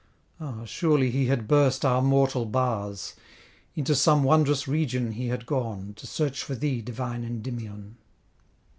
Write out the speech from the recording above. Ah! surely he had burst our mortal bars; Into some wond'rous region he had gone, To search for thee, divine Endymion!